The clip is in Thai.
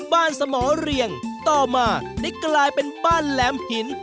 สมเรียงต่อมาได้กลายเป็นบ้านแหลมหิน